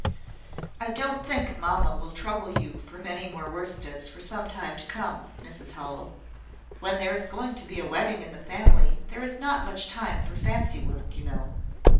"I don't think mamma will trouble you for many more worsteds for some time to come, Mrs Howell. When there is going to be a wedding in the family, there is not much time for fancy work, you know."